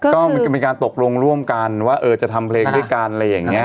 ก็คือมีการตกลงร่วมกันว่าเออจะทำเพลงด้วยกันอะไรอย่างเงี้ย